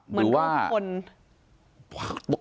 มันเป็นคน